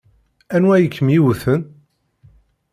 Anwa ay kem-iwten?